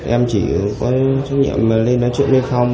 em chỉ có chức nhiệm lên nói chuyện lên